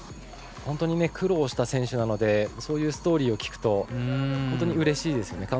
本当に苦労した選手なのでそういうストーリーを聞くと本当にうれしいですね。